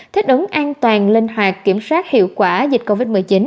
thích ứng an toàn linh hoạt kiểm soát hiệu quả dịch covid một mươi chín